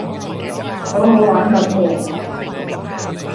好好玩噉噃